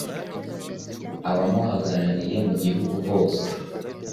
abamuhagarariye mu gihugu hose